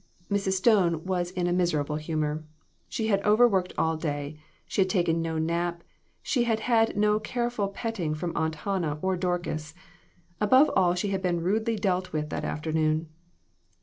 Mrs. Stone was in a miserable humor. She had overworked all day, she had taken no nap, she had had no care ful petting from Aunt Hannah or Dorcas. Above all, she had been rudely dealt with that afternoon.